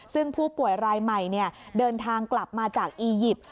ซึ่งผู้ป่วยรายใหม่เดินทางกลับมาจากอียิปต์